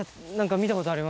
見たことある？